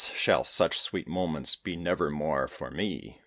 shall such sweet moments be never more for me?